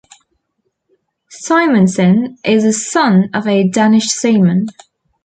Simonsen is the son of a Danish seaman.